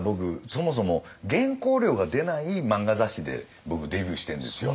そもそも原稿料が出ない漫画雑誌で僕デビューしてんですよ。